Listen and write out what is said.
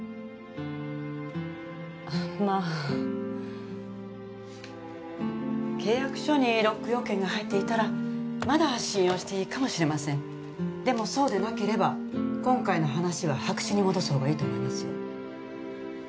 まあ契約書にロック要件が入っていたらまだ信用していいかもしれませんでもそうでなければ今回の話は白紙に戻すほうがいいと思いますよ